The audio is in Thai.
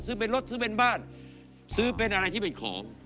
ซื้อเป็นรถซื้อเป็นบ้านซื้อเป็นอะไรที่เป็นของ